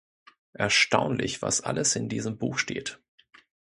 Erstaunlich, was alles in diesem Buch steht!